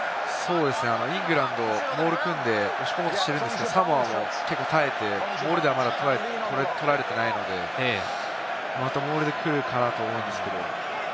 イングランド、モールを組んで押し込もうとしているんですけれども、サモアも結構耐えて、モールでは取られていないので、モールでくるかなと思うんですけれども。